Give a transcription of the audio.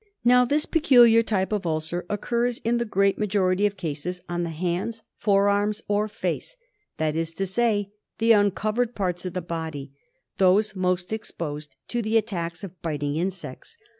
Now this peculiar type of ulcer occurs in the great majority of cases on the hands, fore arms, or face— that ■ is to say, the uncovered parts of the body — those most exposed to the attacks of biting insects.